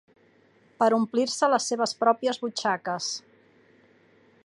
Per omplir-se les seves pròpies butxaques.